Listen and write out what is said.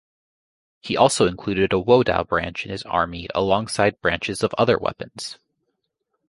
He also included a wodao branch in his army alongside branches of other weapons.